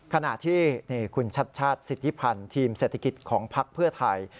ขณะที่คุณชัดชาติสิทธิพันธ์ทีมเศรษฐกิจของพักเพื่อไทย